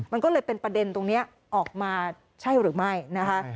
มันก็เลยเป็นประเด็นตรงนี้ออกมาใช่หรือไม่นะคะ